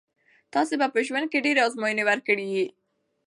تاسي به په ژوند کښي ډېري آزمویني ورکړي يي.